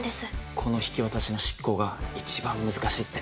この引き渡しの執行が一番難しいって。